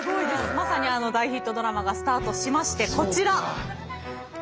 まさにあの大ヒットドラマがスタートしましてこちら。